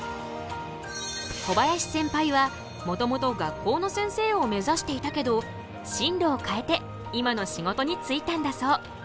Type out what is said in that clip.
小林センパイはもともと学校の先生を目指していたけど進路を変えて今の仕事に就いたんだそう。